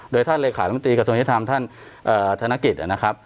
โดยท่านเลยคารมตรีกระทรวงยี่ธรรมท่านธนกิจ